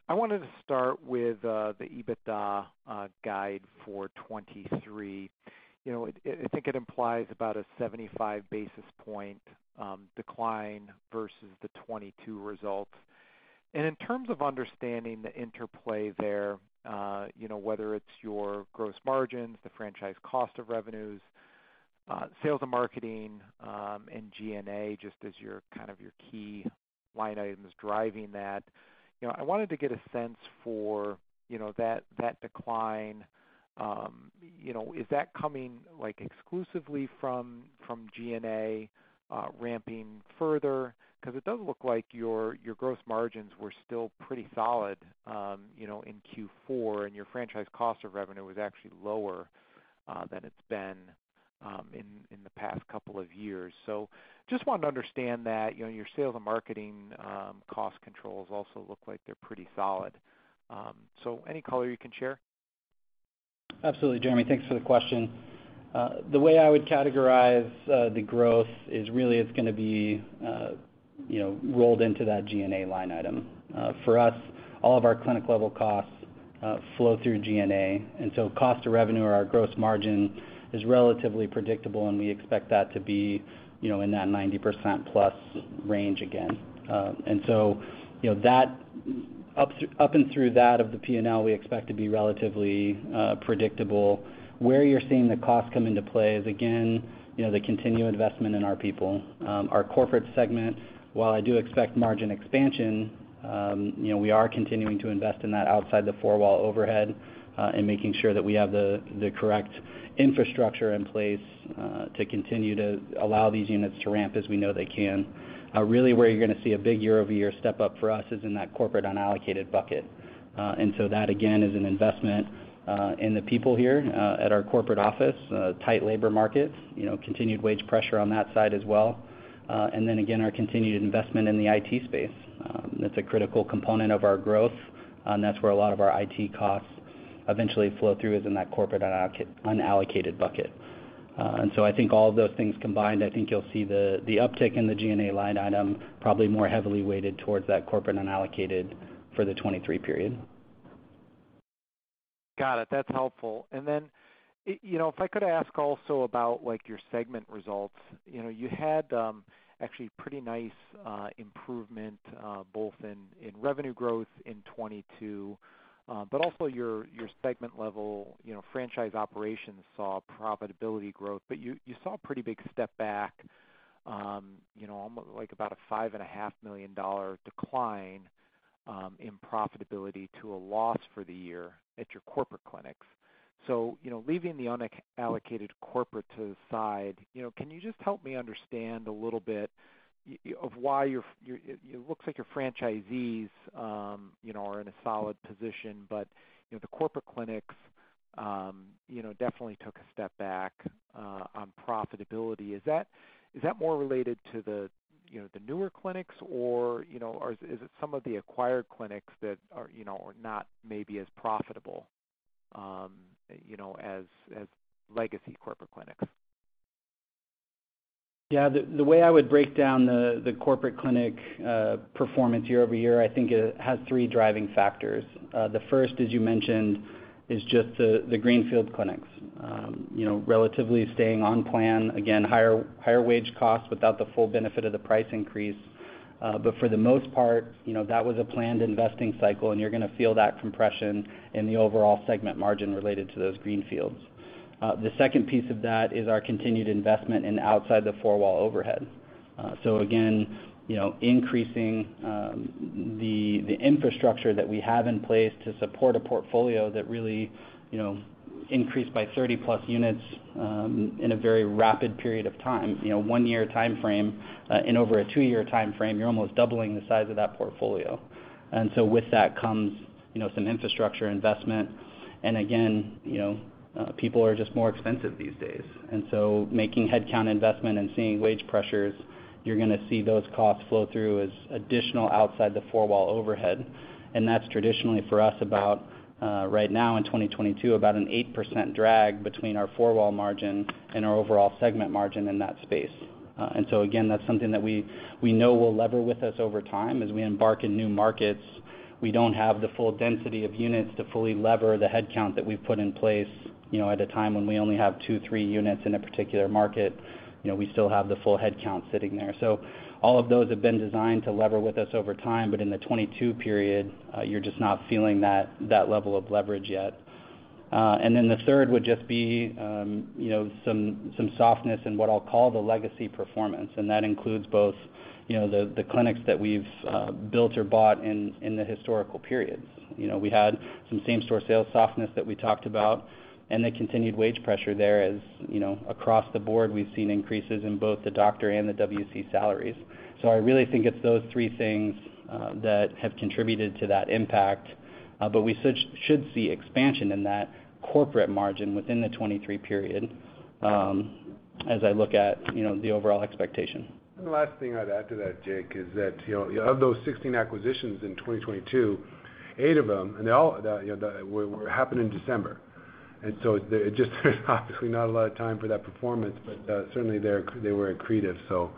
I wanted to start with the EBITDA guide for 2023. You know, I think it implies about a 75 basis point decline versus the 2022 results. In terms of understanding the interplay there, you know, whether it's your gross margins, the franchise cost of revenues, sales and marketing, and G&A just as your kind of your key line items driving that. You know, I wanted to get a sense for, you know, that decline. You know, is that coming, like, exclusively from G&A ramping further? 'Cause it does look like your gross margins were still pretty solid, you know, in Q4, and your franchise cost of revenue was actually lower than it's been in the past couple of years. Just wanted to understand that. You know, your sales and marketing, cost controls also look like they're pretty solid. Any color you can share? Absolutely, Jeremy. Thanks for the question. The way I would categorize the growth is really it's gonna be, you know, rolled into that G&A line item. For us, all of our clinic level costs, flow through G&A. Cost to revenue or our gross margin is relatively predictable, and we expect that to be, you know, in that +90% range again. You know, that up and through that of the P&L, we expect to be relatively predictable. Where you're seeing the costs come into play is, again, you know, the continued investment in our people. Our corporate segment, while I do expect margin expansion, you know, we are continuing to invest in that outside-the-four-wall overhead, and making sure that we have the correct infrastructure in place to continue to allow these units to ramp as we know they can. Really where you're gonna see a big year-over-year step up for us is in that corporate unallocated bucket. That, again, is an investment in the people here at our corporate office. Tight labor markets, you know, continued wage pressure on that side as well. Again, our continued investment in the IT space. That's a critical component of our growth, and that's where a lot of our IT costs eventually flow through, is in that corporate unallocated bucket. I think all of those things combined, I think you'll see the uptick in the G&A line item probably more heavily weighted towards that corporate unallocated for the 2023 period. Got it. That's helpful. Then, you know, if I could ask also about, like, your segment results. You know, you had actually pretty nice improvement both in revenue growth in 2022, but also your segment level. You know, franchise operations saw profitability growth, but you saw a pretty big step back, you know, like about a $5.5 million decline in profitability to a loss for the year at your corporate clinics. You know, leaving the unallocated corporate to the side, you know, can you just help me understand a little bit of why your It looks like your franchisees, you know, are in a solid position, but, you know, the corporate clinics, you know, definitely took a step back on profitability. Is that more related to the, you know, the newer clinics, or, you know, or is it some of the acquired clinics that are, you know, are not maybe as profitable, you know, as legacy corporate clinics? The way I would break down the corporate clinic performance year-over-year, I think it has three driving factors. The first, as you mentioned, is just the greenfield clinics, you know, relatively staying on plan. Again, higher wage costs without the full benefit of the price increase. For the most part, you know, that was a planned investing cycle, and you're gonna feel that compression in the overall segment margin related to those greenfields. The second piece of that is our continued investment in outside-the-four-wall overhead. Again, you know, increasing the infrastructure that we have in place to support a portfolio that really, you know, increased by 30+ units in a very rapid period of time. You know, 1-year timeframe, in over a 2-year timeframe, you're almost doubling the size of that portfolio. With that comes, you know, some infrastructure investment. Again, you know, people are just more expensive these days. Making headcount investment and seeing wage pressures, you're gonna see those costs flow through as additional outside-the-four-wall overhead. That's traditionally for us about right now in 2022, about an 8% drag between our four-wall margin and our overall segment margin in that space. Again, that's something that we know will lever with us over time. As we embark in new markets, we don't have the full density of units to fully lever the headcount that we've put in place. You know, at a time when we only have two, three units in a particular market, you know, we still have the full headcount sitting there. All of those have been designed to lever with us over time. In the 2022 period, you're just not feeling that level of leverage yet. The third would just be, you know, some softness in what I'll call the legacy performance, and that includes both, you know, the clinics that we've built or bought in the historical periods. You know, we had some same-store sales softness that we talked about and the continued wage pressure there. You know, across the board, we've seen increases in both the doctor and the WC salaries. I really think it's those three things that have contributed to that impact. We should see expansion in that corporate margin within the 2023 period, as I look at, you know, the overall expectation. The last thing I'd add to that, Jake, is that, you know, of those 16 acquisitions in 2022, eight of them, and they all, you know, were happened in December. There just obviously not a lot of time for that performance, but, certainly they were accretive, so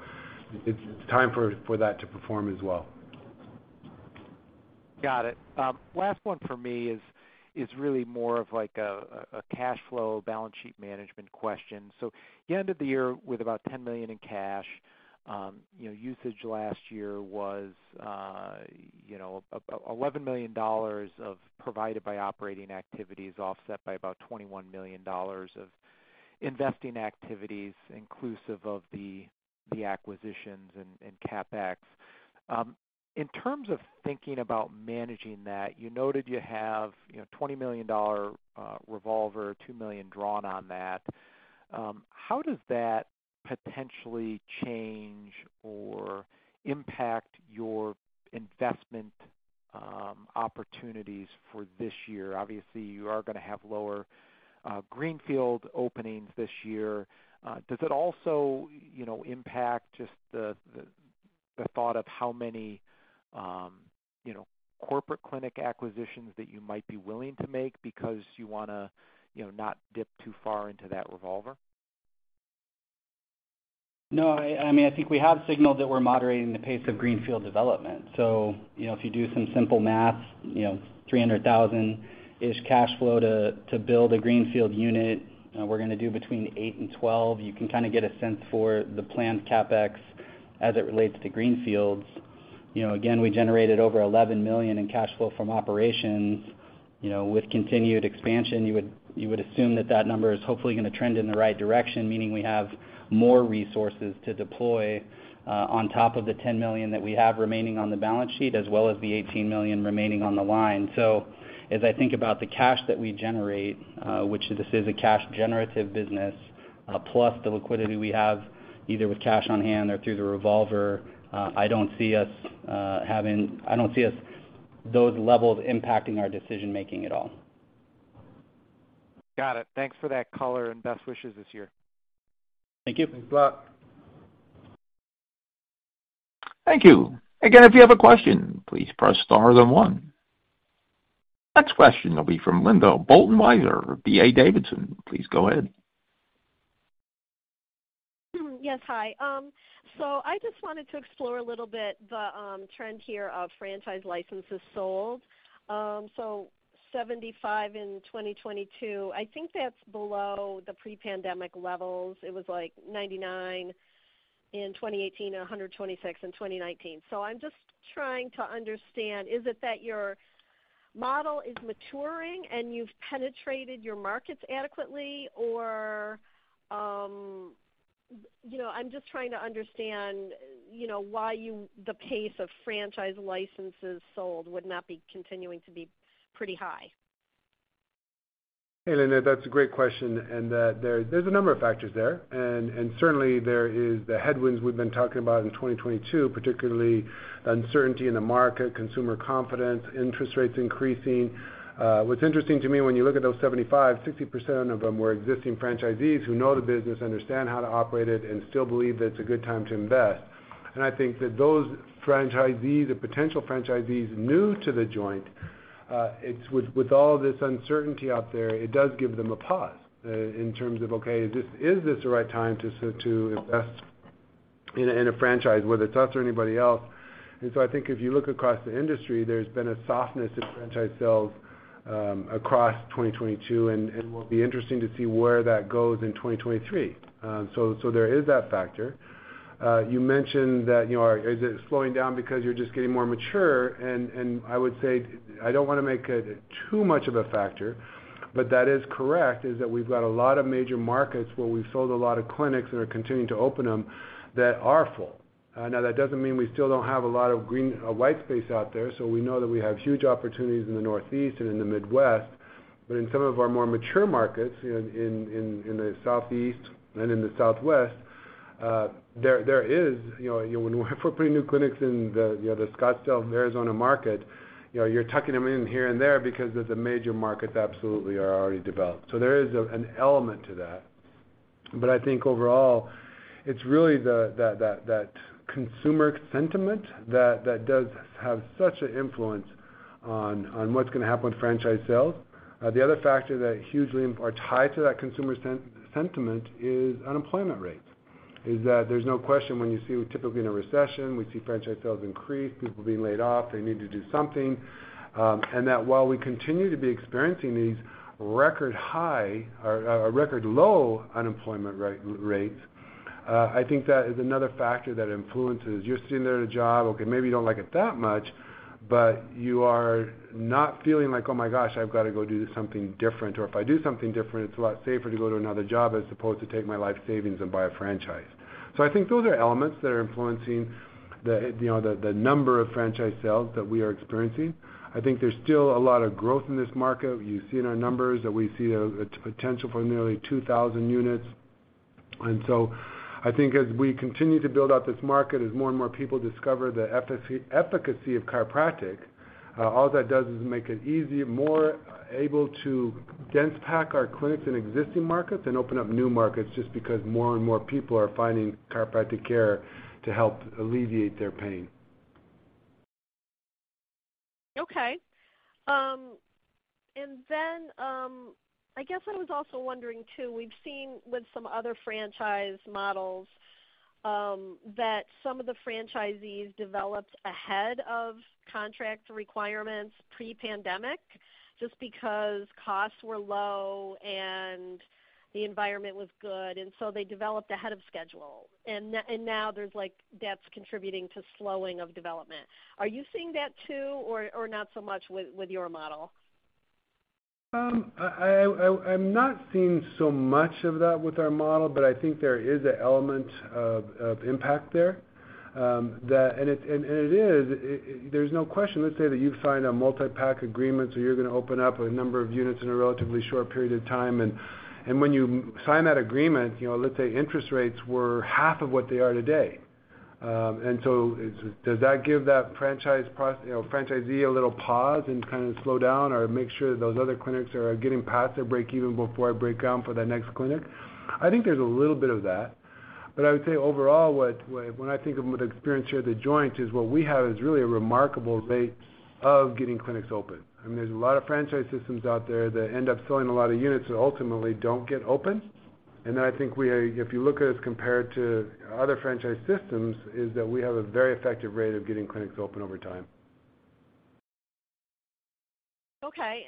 it's time for that to perform as well. Got it. Last one for me is really more of like a cash flow balance sheet management question. You ended the year with about $10 million in cash. You know, usage last year was, you know, $11 million of provided by operating activities, offset by about $21 million of investing activities, inclusive of the acquisitions and CapEx. In terms of thinking about managing that, you noted you have, you know, $20 million revolver, $2 million drawn on that. How does that potentially change or impact your investment opportunities for this year? Obviously, you are gonna have lower greenfield openings this year. Does it also, you know, impact just the thought of how many, you know, corporate clinic acquisitions that you might be willing to make because you wanna, you know, not dip too far into that revolver? No, I mean, I think we have signaled that we're moderating the pace of greenfield development. You know, if you do some simple math, you know, $300,000-ish cash flow to build a greenfield unit, we're gonna do between eight and 12. You can kind of get a sense for the planned CapEx as it relates to greenfields. You know, again, we generated over $11 million in cash flow from operations. You know, with continued expansion, you would assume that that number is hopefully gonna trend in the right direction, meaning we have more resources to deploy on top of the $10 million that we have remaining on the balance sheet, as well as the $18 million remaining on the line. As I think about the cash that we generate, which this is a cash generative business, plus the liquidity we have either with cash on hand or through the revolver, I don't see us those levels impacting our decision-making at all. Got it. Thanks for that color, and best wishes this year. Thank you. Thanks a lot. Thank you. Again, if you have a question, please press star then one. Next question will be from Linda Bolton Weiser of D.A. Davidson. Please go ahead. Yes, hi. I just wanted to explore a little bit the trend here of franchise licenses sold. 75 in 2022, I think that's below the pre-pandemic levels. It was like 99 in 2018 and 126 in 2019. I'm just trying to understand, is it that your model is maturing and you've penetrated your markets adequately or? You know, I'm just trying to understand, you know, why the pace of franchise licenses sold would not be continuing to be pretty high? Hey, Linda, that's a great question. There's a number of factors there. Certainly there is the headwinds we've been talking about in 2022, particularly uncertainty in the market, consumer confidence, interest rates increasing. What's interesting to me, when you look at those 75, 60% of them were existing franchisees who know the business, understand how to operate it, and still believe that it's a good time to invest. I think that those franchisees or potential franchisees new to The Joint, it's with all this uncertainty out there, it does give them a pause, in terms of, okay, is this the right time to invest in a franchise, whether it's us or anybody else? I think if you look across the industry, there's been a softness in franchise sales, across 2022, and will be interesting to see where that goes in 2023. There is that factor. You mentioned that, you know, is it slowing down because you're just getting more mature? I would say, I don't wanna make it too much of a factor, but that is correct, is that we've got a lot of major markets where we've sold a lot of clinics and are continuing to open them that are full. Now that doesn't mean we still don't have a lot of white space out there, so we know that we have huge opportunities in the Northeast and in the Midwest. In some of our more mature markets, in the Southeast and in the Southwest, there is. You know, when we're putting new clinics in the, you know, the Scottsdale, Arizona market, you know, you're tucking them in here and there because the major markets absolutely are already developed. There is an element to that. I think overall, it's really the consumer sentiment that does have such an influence on what's gonna happen with franchise sales. The other factor that hugely are tied to that consumer sentiment is unemployment rates, is that there's no question when you see typically in a recession, we see franchise sales increase, people being laid off, they need to do something. That while we continue to be experiencing these record high or record low unemployment rates, I think that is another factor that influences. You're sitting there at a job, okay, maybe you don't like it that much, but you are not feeling like, "Oh my gosh, I've gotta go do something different." Or, "If I do something different, it's a lot safer to go to another job as opposed to take my life savings and buy a franchise." I think those are elements that are influencing the number of franchise sales that we are experiencing. I think there's still a lot of growth in this market. You see in our numbers that we see the potential for nearly 2,000 units. I think as we continue to build out this market, as more and more people discover the efficacy of chiropractic, all that does is make it easy, more able to dense pack our clinics in existing markets and open up new markets just because more and more people are finding chiropractic care to help alleviate their pain. Okay. Then, I guess I was also wondering too, we've seen with some other franchise models, that some of the franchisees developed ahead of contract requirements pre-pandemic just because costs were low and the environment was good, and so they developed ahead of schedule. Now there's like, that's contributing to slowing of development. Are you seeing that too or, not so much with your model? I'm not seeing so much of that with our model, but I think there is an element of impact there. It is. There's no question, let's say that you sign a multi-pack agreement, so you're gonna open up a number of units in a relatively short period of time. When you sign that agreement, you know, let's say interest rates were half of what they are today. Does that give that franchisee a little pause and kind of slow down or make sure those other clinics are getting past their break even before I break ground for that next clinic? I think there's a little bit of that. I would say overall, when I think of what experience here at The Joint is, what we have is really a remarkable rate of getting clinics open. I mean, there's a lot of franchise systems out there that end up selling a lot of units that ultimately don't get open. Then I think if you look at us compared to other franchise systems, is that we have a very effective rate of getting clinics open over time. Okay.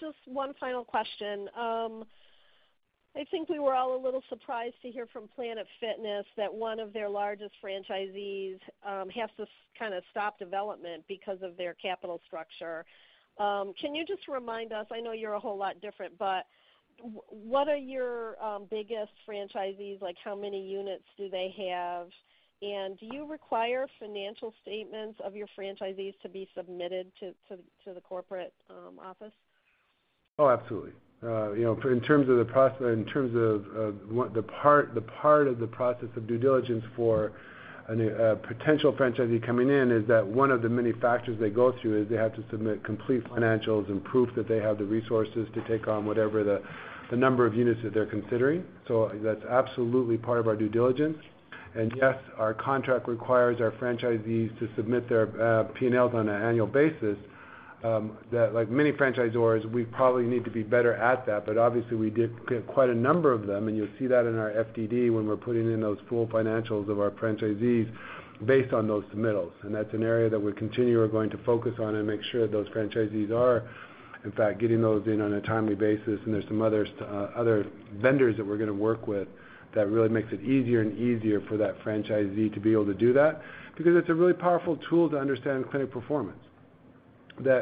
Just one final question. I think we were all a little surprised to hear from Planet Fitness that one of their largest franchisees has to kind of stop development because of their capital structure. Can you just remind us, I know you're a whole lot different, but what are your biggest franchisees, like, how many units do they have? Do you require financial statements of your franchisees to be submitted to the corporate office? Absolutely. You know, in terms of what the part of the process of due diligence for a potential franchisee coming in is that one of the many factors they go through is they have to submit complete financials and proof that they have the resources to take on whatever the number of units that they're considering. That's absolutely part of our due diligence. Yes, our contract requires our franchisees to submit their P&Ls on an annual basis. That like many franchisors, we probably need to be better at that. Obviously, we did get quite a number of them, and you'll see that in our FDD when we're putting in those full financials of our franchisees based on those submittals. That's an area that we are going to focus on and make sure those franchisees are, in fact, getting those in on a timely basis. There's some other vendors that we're gonna work with that really makes it easier and easier for that franchisee to be able to do that, because it's a really powerful tool to understand clinic performance.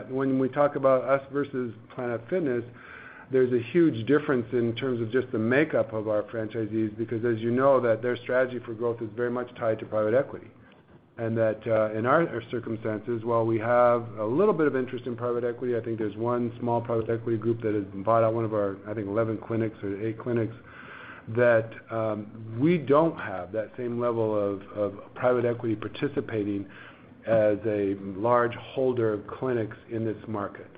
When we talk about us versus Planet Fitness, there's a huge difference in terms of just the makeup of our franchisees, because as you know, that their strategy for growth is very much tied to private equity. In our circumstances, while we have a little bit of interest in private equity, I think there's one small private equity group that has bought out one of our, I think, 11 clinics or eight clinics, that we don't have that same level of private equity participating as a large holder of clinics in this market.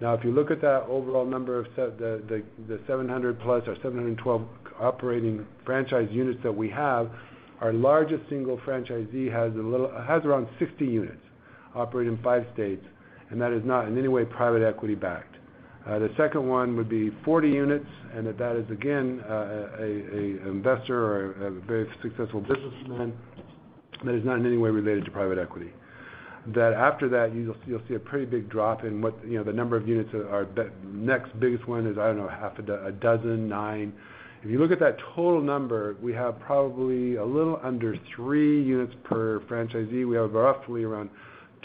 If you look at that overall number of the 700+ or 712 operating franchise units that we have, our largest single franchisee has around 60 units operating in five states, and that is not in any way private equity backed. The second one would be 40 units, and that is again a investor or a very successful businessman that is not in any way related to private equity. After that, you'll see a pretty big drop in what, you know, the number of units are. The next biggest one is, I don't know, half a dozen, nine. If you look at that total number, we have probably a little under three units per franchisee. We have roughly around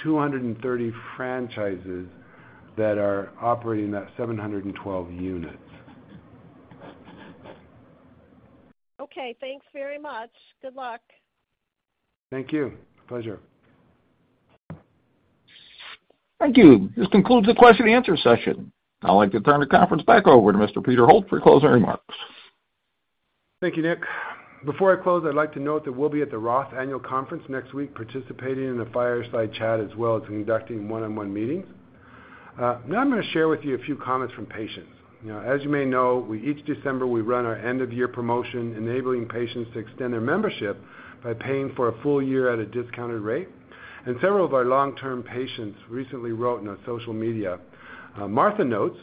230 franchises that are operating that 712 units. Okay, thanks very much. Good luck. Thank you. Pleasure. Thank you. This concludes the question and answer session. I'd like to turn the conference back over to Mr. Peter Holt for closing remarks. Thank you, Nick. Before I close, I'd like to note that we'll be at the Annual Roth Conference next week, participating in a fireside chat, as well as conducting one-on-one meetings. Now I'm gonna share with you a few comments from patients. You know, as you may know, each December, we run our end of year promotion, enabling patients to extend their membership by paying for a full year at a discounted rate. Several of our long-term patients recently wrote on our social media. Martha notes,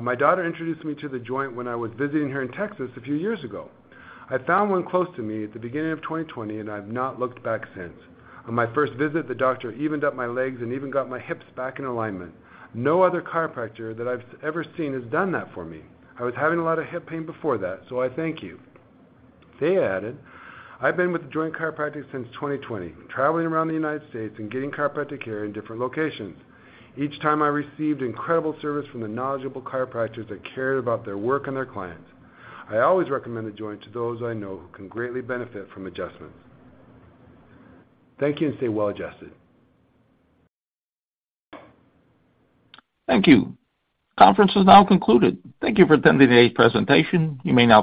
"My daughter introduced me to The Joint when I was visiting her in Texas a few years ago. I found one close to me at the beginning of 2020, and I've not looked back since. On my first visit, the doctor evened up my legs and even got my hips back in alignment. No other chiropractor that I've ever seen has done that for me. I was having a lot of hip pain before that, so I thank you." They added, "I've been with The Joint Chiropractic since 2020, traveling around the United States and getting chiropractic care in different locations. Each time I received incredible service from the knowledgeable chiropractors that cared about their work and their clients. I always recommend The Joint to those I know who can greatly benefit from adjustments." Thank you, and stay well adjusted. Thank you. Conference is now concluded. Thank you for attending today's presentation. You may now disconnect.